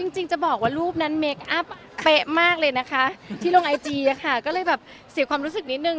จริงจะบอกว่ารูปนั้นเคคอัพเป๊ะมากเลยนะคะที่ลงไอจีอะค่ะก็เลยแบบเสียความรู้สึกนิดนึง